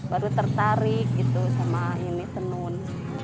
baru tertarik gitu sama ini tenun